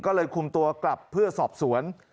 ก็เลยคุมตัวกลับเพื่อสอบสวน